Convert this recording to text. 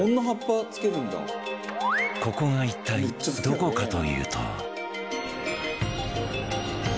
ここは一体どこかというと